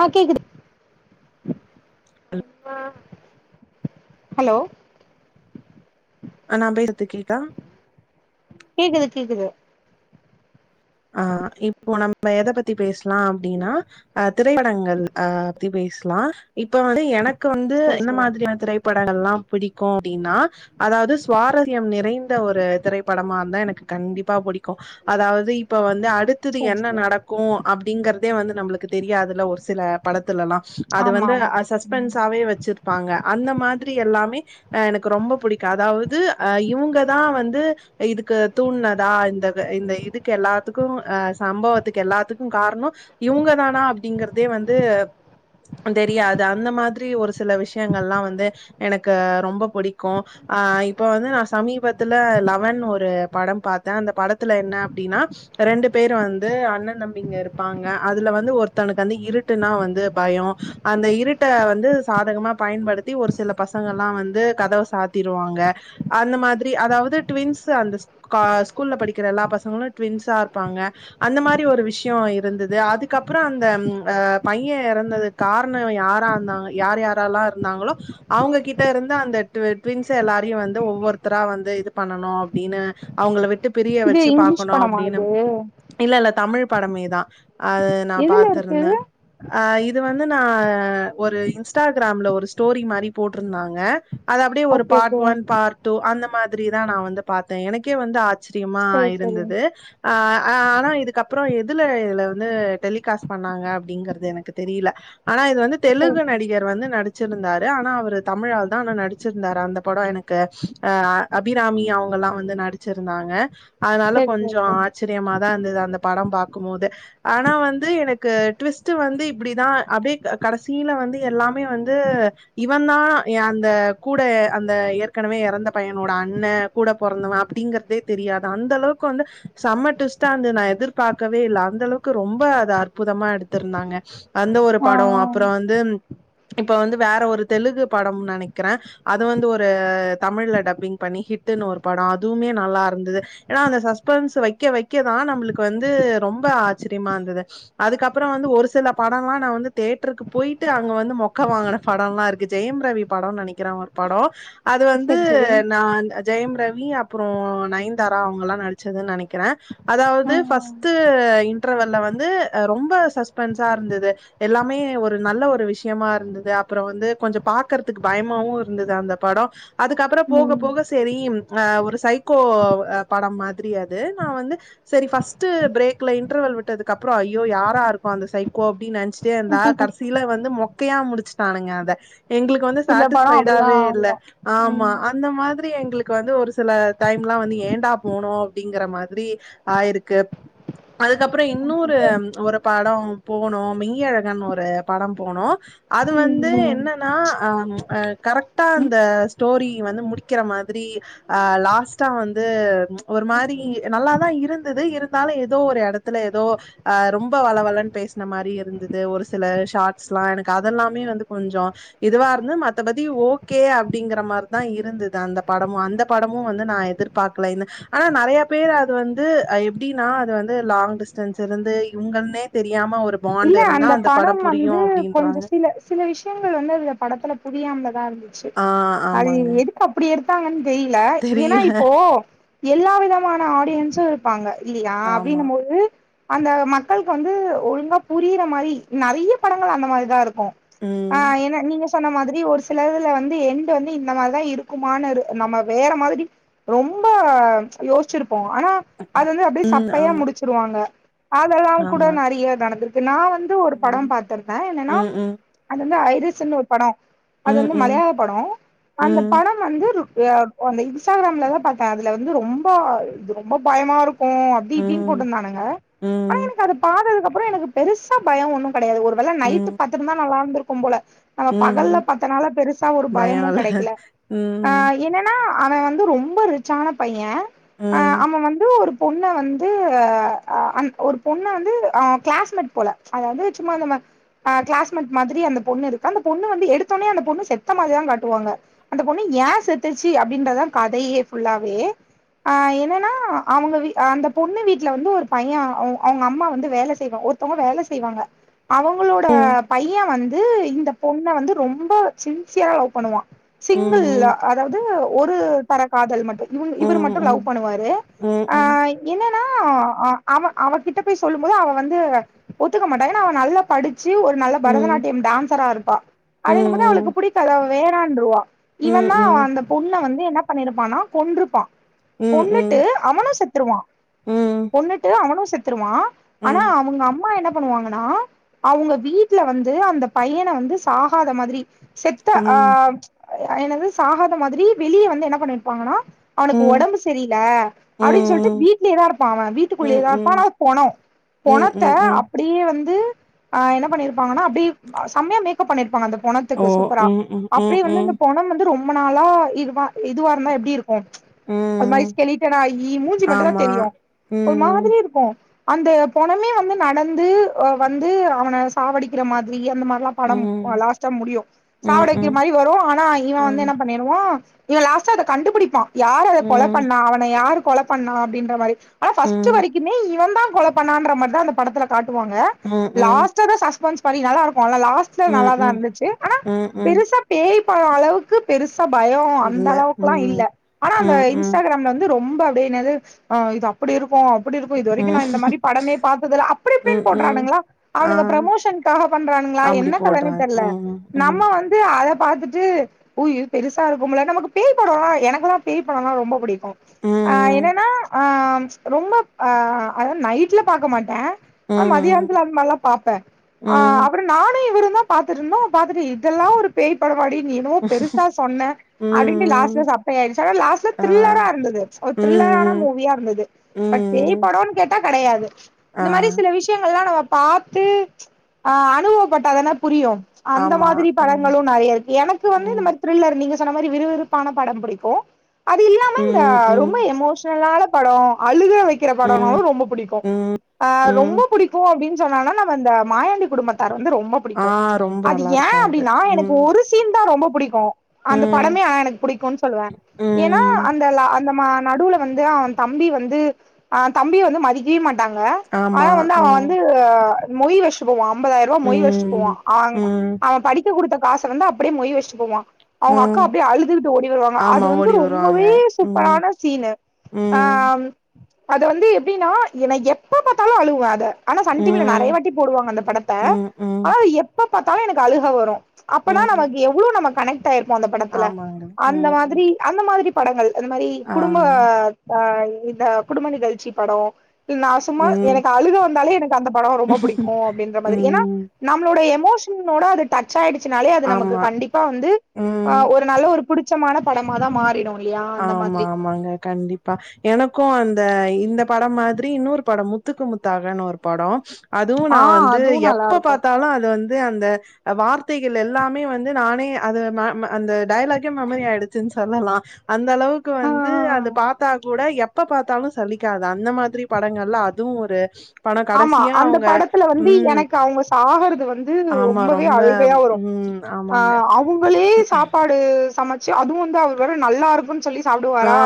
ஆ கேக்குது ஹலோ ஆனா அப்டி எத்துக்கிட்டா கேக்குது கேக்குது ஆ இப்போ நம்ம எத பத்தி பேச்லா அப்டின்னா அ திரைப்படங்கள் அ பத்தி பேச்லா இப்ப வந்து எனக்கு வந்து சரி இந்த சரி மாதிரியான திரை படங்கல்லா புடிக்கு அப்டின்னா அதாவது சுவாரஸ்யம் நிறைந்த ஒரு திரைப்படமா இருந்தா எனக்கு கண்டிப்பா பிடிக்கு அதாவது இ ப்போ வந்து அடுத்தது சரி என்ன சரி நடக்கு அப்டிங்கறதே வந்து நம்மளுக்கு தெரியாதுல ஒரு சில படத்துலல்லா அது ஆமா வந்து ஆமா அ சஸ்பன்ஸாவே வெச்சிருப்பாங்க அந்த மாதிரி எல்லாமே அ எனக்கு ரொம்ப புடிக்கு அதாவது அ இவங்கதா வந்து இதுக்கு தூண்ணதா இந்த இந்த இதுக்கு எல்லா த்துக்கு அ சம்பவத்துக்கு எல்லாத்துக்கு காரணோ இவங்க தானா அப்டிங்கறதே வந்து தெரியாது அந்த மாதிரி ஒரு சில விஷயங்கள்லா வந்து எனக்கு ரொம்ப புடிக்கு ஆ இப்ப வந்து நா சமீபத்துல லவன் ஒரு பட பாத்தே அந்த படத்துல என்ன அப்டின்னா ரெண்டு பேர் வந்து அண்ண தம்பிங்க இருப்பாங்க அதுல வந்து ஒருத்தனுக்கு வந்து இருட்டுன்னா வந்து பயோ அந்த இருட்ட வந்து சாதகமா பயன்படுத்தி ஒரு சில பசங்கள்லா வந்து கதவ சாத்திருவாங்க அந்த மாதிரி அதாவது ட்வின்ஸ் அந்த ஸ்க் கா ஸ்கூல்ல படிக்கிற எல்லா பசங்களு ட்வின்ஸா ப்பாங்க அந்த மாரி ஒரு விஷயோ இருந்தது அதுக்கப்புறோ அந்த அ பைய எறந்தது காரண யாரா இருந்தாங்க யார் யாரெல்லா இருந்தாங்களோ அவங்ககிட்ட இருந்து அந்த ட்வி ட்வின்ஸ் எல்லாரையு வந்து ஒவ்வொருத்தரா வந்து இது பண்ணனு அப்டின்னு அவங்கள விட் டு பிரிய இது வெச்சு இங்கிலீஷ் பாக்கணு படமா அப்டின்னு இது இல்லல்ல தமிழ் படமேதா, அது நா எதுல இருக்கு பாத்திருந்த அ இது வந்து நா ஒரு இன்ஸ்டாகிராம்ல ஒரு ஸ்டோரி மாரி போட்டுருந்தாங்க அது அப்டியே ஒரு okay part okay one part two அந்த மாதிரிதா நா வந்து பாத்தே எனக்கே வந்து ஆச் சிரியமா சரி சரி இருந்தது ஆ அ ஆனா இதுக்கப்பறோ எதுல இதுல வந்து டெலிகாஸ்ட் பண்ணாங்க அப்டிங்கறது எனக்கு தெரில ஆனா இது வந்து சரி தெலுகு நடிகர் வந்து நடிச் சிருந்தாரு ஆனா அவர் தமிழ் ஆளுதா ஆனா நடிச்சிருந்தாரு அந்த படோ எனக்கு அ அபிராமி அவங்கல்லா வந்து நடிச்சிருந்தாங்க அதனால சரி சரி கொஞ்சோ சரி ஆ ச்சரியமாதா இருந்தது அந்த பட பாக்கும்போதே ஆனா வந்து எனக்கு ட்விஸ்ட் வந்து இப்டிதா அப்டியே க கடைசில வந்து எல்லாமே வந்து இவந்தா எ அந்த கூட அந்த ஏற்கனவே எறந்த பையனோட அண்ண கூட பொறந்தவ அப்டிங்கறதே தெரியாது, அந்த அளவுக்கு வந்து செம டுவிஸ்டா இருந்தது நா எதிர்பாக்கவே இல்ல அந்த அளவுக்கு ரொம்ப அது அற்புதமா எடுத்துருந்தாங்க அந்த ஒரு ஆ படோ அப்பறோ வந்து இப்ப வந்து வேற ஒரு தெலுகு படம்னு நெனைக்கிற அது வந்து ஒரு தமிழ்ல டப்பிங் பண்ணி ஹிட்டுன்னு ஒரு படம் அதுவுமே நல்லா இருந்துது ஏன்னா அந்த சஸ்பென்ஸ் வைக்க வைக்கதா நம்மளுக்கு வந்து ரொம்ப ஆச்சரியமா இருந்துது அதுக்கப்றோ வந்து ஒரு சில படம்ல்லா நா வந்து தேட்டருக்கு போயிட்டு அங்க வந்து மொக்க வாங்ன படல்லா இருக்கு ஜெயம் ரவி படோனு நெனைக்கிற அவரு படோ அது ஆ வந்து சரி சரி நா ஜெயம் ரவி அப்பறோ நயன்தாரா அவங்கல்லா நடிச்சதுனு நெனைக் க்கிற ஆ அதாவது ஃபஸ்ட் இன்டர்வெல்ல வந்து அ ரொம்ப சஸ்பென்ஸா இருந்தது எல்லாமே ஒரு நல்ல ஒரு விஷயமா இருந்துது அப்றோ வந்து கொஞ்சோ பாக்குறதுக்கு பயமாவு இருந்தது அந்த படோ அதுக்கப்றோ போக ம் போக சேரி அ ஒரு சைகோ படம் மாதிரி அது நா வந்து சேரி ஃபஸ்ட் பிரேக்ல இன்டர்வல் விட்டதுக்கப்பறோ ஐயோ யாரா இருக்கு அந்த சைக்கோ அப்டின்னு நெனைச் சிட்டே இருந்தா கடைசில வந்து மொக்கையா முடிச்சுட்டானுங்க அத எங்களுக்கு வந்து சில படோ அப்டிதா சட்டிஸ்ஃபைடாவே இல்ல வரு ஆமா ம் அந்த மாதிரி எங்களுக்கு வந்து ஒரு சில டைம்லா வந்து ஏன்டா போனோ அப்டிங்கற மாதிரி ஆயிருக்கு அதுக்கப்றோ இன்னொரு ஒரு படம் போனோ மெய்யழகன்னு ஒரு படம் போனோ அது வந்து ம் என்னன்னா ஆ கரெக்டா ம் அந்த ஸ்டோரி வந்து முடிக்கிற மாதிரி ஆ லாஸ்டா வந்து ஒரு மாதி ரி நல்லாதா இருந்துது இருந்தாலு ஏதோ ஒரு எடத்துல ஏதோ அ ரொம்ப வளவளன்னு பேசுன மாரி இருந்துது ஒரு சில ஷார்ட்ஸ்லா எனக்கு அதெல்லாமே வந்து கொஞ்சோ இதுவா இருந்து மத்தபதி ஓகே அப்டிங்கற மாரிதா இருநதுது அந்த படமு அந்த படமு வந்து நா எதிர் பாக்கல இந்த ஆனா நெறைய பேர் அது வந்து அ எப்டின்னா அது வந்து லாங் டிஸ்டன்ஸ் இருந்து இவங்கனே தெரியாம ஒரு பாண்ட் இல்ல இருந்தா அந்த படம் புரியு வந்து கொஞ்சோ அப்டின்றாங்க சில சில விஷயங்கள் வந்து அதுல படத்துல புரியாமதா இருந்துச்சு ஆ அது ஆமாங்க எது இப்டி எடுத்தாங்கனு தெரில ஏன்னா தெரியல இப்போ எல்லா விதமான ஆடியன்ஸ்சு இரு ப்பாங்க இல்லையா ஆமா அப்டின்னுபோது அந்த மக்களுக்கு வந்து ஒழுங்கா புரியிற மாரி நறைய படங்கள் அந்த மாரிதா இருக்கு ஆ ம் என்ன நீங்க சொன்ன மாதிரி ஒரு சிலதுல வந்து எண்டு வந்து இந்த மாரிதா இருக்குமானு நம்ம வேற மாதிரி ரொம்ப யோசிச்சிருப்போ ஆனா அது வந்து அப்டியே ம் சப்பையா ஆமா முடிச்சிருவாங்க அதெல்லா கூட ஆமா நறைய நடந்துருக்கு நா வந் து ஒரு ம் படம் பாத்துருந்த என்னன்னா ம் அது வந்து ஐரஸ்ன்னு ஒரு படோ அது ம் வந்து ம் மலையாள படோ, அந்த ம் படம் வந்து ருக் அ அந்த இன்ஸ்டாகிராம்லதா பாத்தே அதுல வந்து ரொம்ப இது ரொம்ப பயமா இருக் ஓ அப்டி இப்டின்னு ம் போட்ருந்தானுங்க ஆனா ம் எனக்கு அது பாத்ததுக்கப்பறோ எனக்கு பெருசா பயோ ஒண்ணு கெடையாது ஒரு வேல நைட்டு ம் பாத்துருந்தா நல்லா இருந்துருக்கும் போல நம்ம ம் பகல்ல ம் பாத்தனால பெருசா ஒரு பயோ பயமு இல்ல கெடைக்கல ஆ ம் ஏனா னா அவ வந்து ரொம்ப ரிச்சான பைய ஆ ம் அவ வந்து ஒரு பொண்ண வந்து ஆ அந் ஒரு பொண்ண வந்து ஆ க்ளாஸ்மேட் போல அதாவது சும்மா இந்த மா ஆ க்ளாஸ்மேட் மாதிரி அந்த பொண்ணுருக் அந்த பொண்ணு வந்து எடுத்தொனே அந்த பொண்ணு செத்த மாரிதா காட்டுவாங்க அந்த பொண்ணு ஏ செத்துச்சு அப்டின்றதா கதையே ஃபுல்லாவே ஆ என்னன்னா அவங்க அந்த பொண்ணு வீட்ல வந்து ஒரு பைய அவ் அவங்க அம்மா வந்து வேல செய்வ ஒருத்தவங்க வேல செய்வாங்க அவங்களோட ம் பைய வந்து இந்த பொண்ண வந்து ரொம்ப சின்சியரா லவ் பண்ணுவா ம் சிங்கிள் ம் அதாவது ஒரு தர காதல் மட்டு இவர் இவரு ம் மட்டு ம் லவ் பண்ணுவாரு ம் ஆ ம் என்னன்னா அ அவ அவ கிட்ட போய் சொல்லும்போது அவ வந்து ஒத்துக்க மாட்டாங்க ஏன்னா அவ நல்ல படிச்சு ஒரு நல்ல ம் பரதநாட்டியம் டான்சரா இருப்பா ம் அப்டின்னும் போது ம் அவளுக்கு புடிக்காது அவ வேணான்ருவா ம் இவன் ம் ம் ம் ம் தா அந்த பொண்ண வந்து என்ன பண்ணிருப்பானா கொன்றுப்பா ம் ம் கொண்ணுட்டு அவனு செத்துருவா கொண்ணுட்டு அவனு செத்துருவா ஆனா ம் அவங்கம் அப்பா என்ன பண்ணுவாங்கன்னா அவங்க வீட்ல வந்து அந்த பையன வந்து சாகாத மாதிரி செத்த ஆ என்னது சாகாத மாதிரி வெளிய வந்து என்ன பண்ணிருப்பாங்கன்னா அவனுக்கு ஒடம்பு செரியல அப்டின்னு சொல்ட்டு வீட்லயேதா இருப்பா அவ ம் ம் வீட்டுக்குள்ளயேதா ம் இருப்பா ஆனா அது பொனோ ம் பொனத் ம் ம் அப்டியே வந்து ஆ என்ன பண்ணிருப்பாங்கன்னா அப்டி செம்மையா மேக் பண்ணிருப்பாங்க அந்த ஓ பொணத்துக்கு சூப்பரா ம் ம் ம் அப்டியே வந்து ம் இந்த பொணம் வந்து ரொம் ரொம்ப நாளா இதுவ இதுவா இருந்தா எப்டி இருக்கு அது மாரி ம் ஸ்கெலிட்டடாகி மூஞ்சு மட்டுந்தா ஆமா தெரியு ஒரு ம் மாதிரி இருக்கு அந்த பொனமே வந்து நடந்து அ வந்து அவனை சாவடிக்கிற மாதிரி அந்த மாரிலா படம் ம் லாஸ்ட்டா முடியு ம் ம் சாவடைக்கு ம் மாரி வரு ஆனா இவ ம் வந்து ம் என்ன பண்ணிருவா இவ லாஸ்ட்டா அத கண்டுபுடிப்பா யார கொல ம் பண்ணா அவன யாரு கொல பண்ணா அப்டின்ற மாரி ஆனா ம் பஸ்ட்டு வரைக்குமே இவந்தா கொலப் பண்ணான்ற மாரி தா அந்த படத்துல காட்டுவாங்க லாஸ்டா தா சஸ்பென்ஸ் பண்ணி நல்வாருக்கு அந்த லாஸ்ட் லாஸ்ட்ல ம் ம் நல்லாதா இருந்துச்சு ஆனா ம் ம் பெருசா பேய் பட அளவு க்கு பெருசா பயோ அந்த இல்ல அளவுக்குல்லா ம் இல்ல ஆனா ம் அந்த ம் இன்ஸ்டாகிராம்ல வந்து ரொம்ப அப்டியே என்னது ஆ இது அப்படி இருக்கு அப்படி இருக்கு இது வரைக்கு ம் நா இந்த மாரி படமே பாத் அதல அப்டி இப்டின்னு ம் ம் போடுறானுங்களா ஆ அவனுங்க ப்ரமோஷனக்காக பண்றானுங்களா அப்டி என்ன கதைனே போட்றாங்க தெரில ம் ம் நம்மா வந்து அத பாத்துட்டு ஓ இது பெருசா இருக்கும்ல நமக்கு பேய் படோ எனக்கல்லா பேய் படம்லா ரொம்ப புடிக்கு ஆ ம் என்னன்னா அ ரொம்ப ஆ அதாவது நைட்ல பாக்க மாட்டே ஆ ம் மதியானத்துல அந்தமால்லா பாப்பே ஆ ம் அப்பறோ நானு இவரு தா பாத்துட்ருந்தோ பாத்துட்டு இதெல்லா ஒரு பேய் படமாடி நீ என்னவோ பெருசா சொன்ன அப்டின்ட்டு லாஸ்ட்ல ம் சப் பேயாடுச்சா லாஸ்ட்ல ஆ த்ரில்லரா இருந்தது ஒரு த்ரில்லரான ம் மூவியா இருந்தது பட் பேய் ம் படோன் கேட்டா கெடையாது இந்த ஆ மாரி சில விஷயங்கல்லா நம்ம பாத்து ஆ அனுபவப்பட்டாதான புரியு அந்த ஆமா மாதிரி ம் படங்களு நறைய இருக்கு எனக்கு வந்து இந்த ம் மாரி த்ரில்லர் நீங்க சொன்ன மாரி விறுவிறுப்பான படம் புடிக்கு அது இல்லாம இந்த ம் ம் ரொம்ப எமோ ஷனான படோ அழுக வக்கிற படனாலு ம் ரொம்ப புடிக்கு ம் ஆ ம் ரொம்ப புடிக்கு அப்டின்னு சொன்னனா நம்ம இந்த மாயாண்டி குடும்பத்தார் வந்து ரொம்ப ஆ புடிக்கு ரொம்ப அது நல்லா ஏ இருக்கு அது அப்டின்னா எனக்கு ம் ஒரு சீன் தா ரொம்ப புடிக்கு அந்த ம் படமே ஆ எனக்கு புடிக்குன் சொல்லுவே ஏனா ம் அந்த லா அந்த ம நடுவுல வந்து அவே தம்பி வந்து ஆ தம்பிய வந்து மதிக்கவே மாட் டாங்க ஆமா ஆனா வந்து அவே ம் வந்து மொய் வச்ட்டு போவா அம்பதாயரூவா மொய் வச்ட்டு போவா ம் அங் ம் அவே படிக்க குடுத்த காச வந்து அப்டியே மொய் வச்ட்டு போவா அவுங்க அக்கா ம் அப்டியே அழுதுகிட்டு ஓடி வருவாங்க அது ஆமா வந்து ஓடி வருவாங்க ரொம்பவே ம் சூப்பரான சீனு ஆ ம் அத வந்து எப்டின்னா என்ன எப்ப பாத்தாலு அழுவே அத ஆனா சன்டீவி ல நறைய ம் வாட்டி போடுவாங்க அந்த படத்த ம் ம் ஆனா எப்ப பாத்தாலு எனக்கு அழுக வரு அப்பனா ம் நமக்கு எவ்ளோ நம்ம கனெக்ட்டாயிருப்போ அந்த படத்துல ஆமாங்க அந்த ம் ம் மாத்ரி அந்த மாத்ரி படங்கள் அந்த மாரி ஆ குடும்ப ஆ இந்த குடும்ப நிகழ்ச்சி படோ நா சும்மா ம் எனக்கு அழுக வந்தாலே எனக்கு அந்த படோ ரொம்ப புடிக்கு அப்டின்ற மாரி ஏனா ம் நம்ளுடைய எமோஷனோட அது டச்சாயிடுச்சுனாலே அது நமக்கு ஆமா கண்டிப்பா வந்து ஆ ம் ஒரு நல்ல ஒரு புடிச்சமான படமா தா மாறிடு இல்லையா அந்த ஆமா மாதிரி ஆமாங்க கண்டிப் பா எனக்கு அந்த இந்த படம் மாதிரி இன்னொரு படம் முத்துக்கு முத்தாகனு ஒரு படோ அதுவு ஆ நா வந்து அதுவு நல்லா எப்ப இருக்கு பாத்தாலு அது வந்து அந்த வார்த்தைகள் எல்லாமே வந்து நானே அது ம ம அந்த டய்லாக்கே மெமரி ஆய்டுச்சுன் சொல்லலா அந்தளவுக்கு ஆ வந்து ஆ அது பாத்தா கூட எப்ப பாத்தாலு சலிக்காது அந்த மாத்ரி படங்கள்ல அதுவு ஒரு படம் ஆமா கடைசியா அந்த அவங்க படத்துல வந்து ம். எனக்கு அவுங்க சாகறது வந்து ஆமா ரொம்பவே ரொம்ப அழுகயா வரு ம். ஆ ஆமாங்க. அவுங்களே சாப்பாடு சமச்சு அதுவு வந்து அவர் வேற நல்லா இருக்குன் சொல்லி ஆ சாப்டுவாரா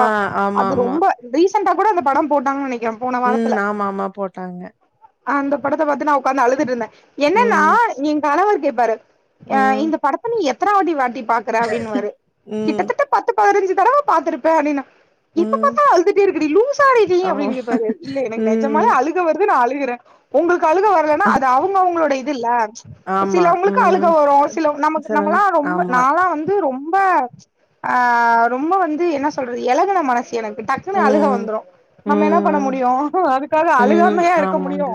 அது ஆமாமா. ரொம்ப ரீசெண்டா கூட அந்த படம் போட்டாங்கன் நெனைக்கே ம் ஆமாமா போட்டாங்க அந்த படத்த பாத்து நா ஒக்காந்து அழுதுட்ருந்தே என்னன்னா ம். எ கணவர் கேப்பாரு ஆ ம். இந்த படத்த நீ எத்தன வாட்டி வாட்டி பாக்குற அப்டின்னுவாரு ம், கிட்டத்தட்ட பத்து பதினஞ்சு தடவ பாத்துருப்பே அப்டின எப்ப ம். பாத்தாலு அழுதுட்டே இருக்கடி லூசாடி நீ ஆ, அப்டின் கேப்பாரு இல்ல எனக்கு நெஜமாலே ம். அழு நா அழுகுறே ஒங்களுக்கு அழுக வரலன்னா அது அவுங்கவுங்களோட இதுல்ல ப்ப ஆமா. சிலோங்ளுக்கு அழுக ம். வரு சில நமக்கு நம்மலா சொல்லுங்க. ரொம்ப ஆமா. நாலா வந்து ரொம்ப ஆ ரொம்ப வந்து என்ன சொல்றது எளகுன மனசு எனக்கு டக்குனு அழுக ம், வந்துரு நம்ம என்ன பண்ண ம், முடியு அதுக்காக அழுகா ம். ஆமாங்க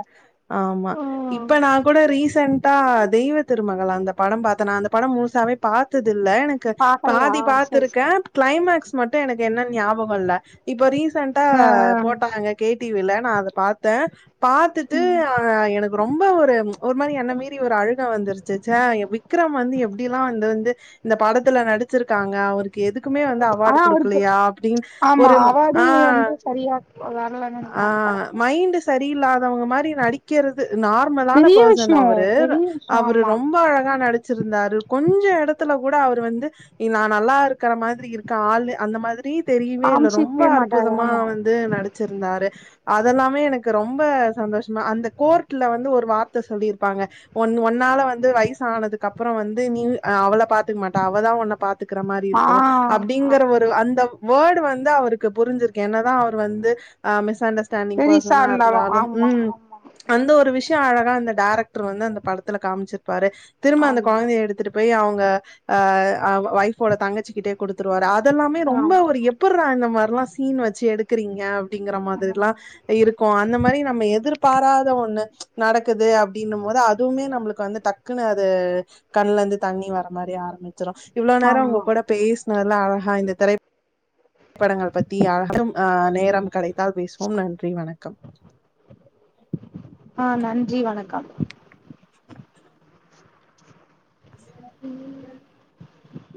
ஆமா இப்ப நா கூட ரீசென்ட்டா தெய்வ திருமகள் அந்த படம் பாத்தே நா அந்த படம் முழுசாவே பாத்தது இல்ல எனக்கு பாக்கலையா பாதி சரி பாத்துருக்கே சரி க்ளைமேக்ஸ் மட்டு எனக்கு என்ன ஞாபகோ இல்ல இப்ப ரீசென்டா ஆ ஆ போட்டாங்க கே டிவி ல நா அத பா த்தே பாத்துட்டு ஆ எனக்கு ரொம்ப ஒரு ஒர் மாரி என்ன மீறி ஒரு அழுக வந்துருச்சு ச்ச விக்ரம் வந்து எப்டில்லா இந்த வந்து இந்த படத்துல நடிச்சிருக்காங்க அவருக்கு எதுக்குமே வந்து அவார்டு ஆனா அவருக்கு குடுக்கலயா அப்டின் ஆமா ஒரு [unintelligible] ஆ வந்து சரியா வர்ல ஆ மைன்ட்டு சரியில்லாதோங்க மாரி நடி க்கிறது நார்மலான பெரிய ஃபர்சன் விஷயோ அவரு பெரிய விஷயோ அவரு ஆமா ரொம்ப அழகா நடி வச்சிருந்தாரு கொஞ்ச எடத்துல கூட அவர் வந்து நா நல்லா இருக்கற மாதிரி இருக்க ஆள் அந்த மாதிரி தெரியவே இல்ல ரொம்ப காமிச்சிக்கவே மாட்டாரு அற்புதமா ஆமா வந் து நடிச்சிருந்தாரு அதெல்லாமே எனக்கு ரொம்ப சந்தோஷமா அந்த கோர்ட்ல வந்து ஒரு வார்த்த சொல்லிருப்பாங்க ஒன் ஒன்னால வந்து வயசானதுக்கப்புறோ வந்து நீ அவள பாத்துக்க மாட்ட அவதா ஒன்ன பாத்துக்குற மாரி ஆ இருக்கு ஆமா அப்டிங்கிற ஒ அந்த வேடு வந்து அவருக்கு புரிஞ்சிருக்கு என்னதா அவர் வந்து மிஸ் அண்டஸ் டன்டிங் பெரிசா பர்சனா இருந்தாலு இருந்தாலும் ஆமா ம் ஆமா அந்த ஒரு விஷயோ அழகா அந்த டேரக்டர் வந்து அந்த படத்துல காமிச்சிருப்பாரு திரும்ப அந்த ஆமா கொழந்தைய எடுத்துட்டு போய் அவங்க அ அ ஒய்ஃபோட தங்கச்சிக்கிட்டே குடுத்துருவாரு அதெல்லாமே ஆமா ரொம்ப ஒரு எப் ப்புட்றா இந்த மாரில்லா சீன் வச்சி எடுக்குறீங்க அப்டிங்கிற மாதிரில்லா ஆமா இருக்கு அந்த மாரி நம்ம எதிர்பாராத ஒண்ணு நடக்குது அப்டின்னும் போது அதுவுமே நம்ளுக்கு வந்து டக்குனு அது கண்ல இந்து தண்ணி வர மாரி ஆரம்பிச்சிரு இவ்ளோ நேரோ உங்க ஆமா கூட பேசினதுலா அழகா இந்த திரை படங்கள் பத்தி அதும் நேரம் கடைத்தால் பேசுவோம் நன்றி வணக்கம் ஆ நன்றி வணக்கம்